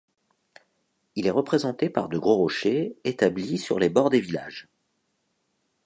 Il est représenté par de gros rochers établis sur les bords des villages.